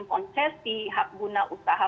konsesi hak guna usaha